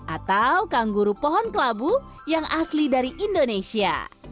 atau kangguru pohon kelabu yang asli dari indonesia